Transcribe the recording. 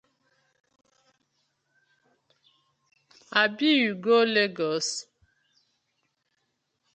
Abi you go go Legos?